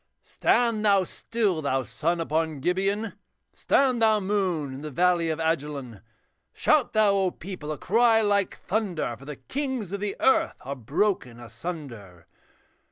'Stand thou still, thou sun upon Gibeon, Stand thou, moon, in the valley of Ajalon! Shout thou, people, a cry like thunder, For the kings of the earth are broken asunder.